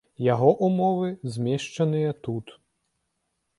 Яго умовы змешчаныя тут.